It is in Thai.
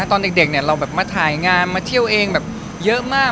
ตอนเด็กเรามาถ่ายงานเที่ยวเองเยอะมาก